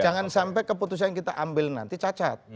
jangan sampai keputusan yang kita ambil nanti cacat